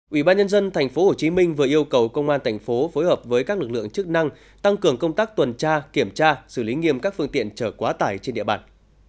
ủy ban nhân dân tp hcm vừa yêu cầu công an tp phối hợp với các lực lượng chức năng tăng cường công tác tuần tra kiểm tra xử lý nghiêm các phương tiện trở quá tải trên địa bàn